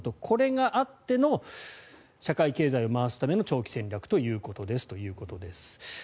これがあっての社会経済を回すための長期戦略ですということです。